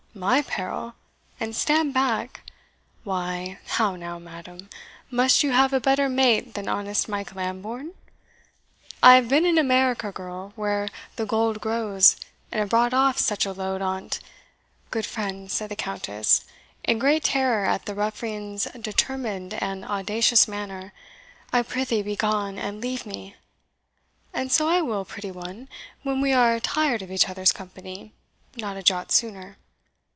"My peril! and stand back! Why, how now, madam? Must you have a better mate than honest Mike Lambourne? I have been in America, girl, where the gold grows, and have brought off such a load on't " "Good friend," said the Countess, in great terror at the ruffian's determined and audacious manner, "I prithee begone, and leave me." "And so I will, pretty one, when we are tired of each other's company not a jot sooner."